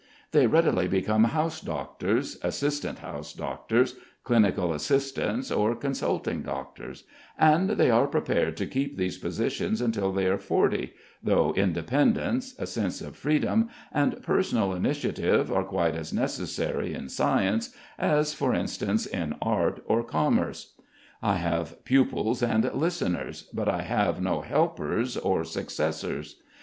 They readily become house doctors, assistant house doctors, clinical assistants, or consulting doctors, and they are prepared to keep these positions until they are forty, though independence, a sense of freedom, and personal initiative are quite as necessary in science, as, for instance, in art or commerce. I have pupils and listeners, but I have no helpers or successors.